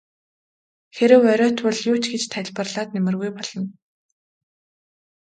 Хэрэв оройтвол юу ч гэж тайлбарлаад нэмэргүй болно.